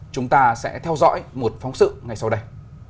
chúng ta sẽ theo dõi một phóng sự ngay sau đây